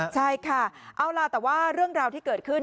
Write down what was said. ใช่ค่ะเอาล่ะแต่ว่าเรื่องราวที่เกิดขึ้น